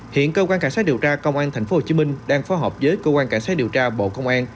hiện cơ quan cảnh sát điều tra công an tp hcm đang phối hợp với cơ quan cảnh sát điều tra bộ công an